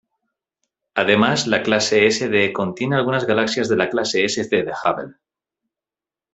Además, la clase Sd contiene algunas galaxias de la clase Sc del Hubble.